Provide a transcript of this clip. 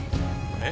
えっ？